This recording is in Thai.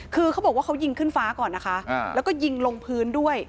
คือเขาบอกว่าเขายิงขึ้นฟ้าก่อนนะคะแล้วก็ยิงลงพื้นด้วย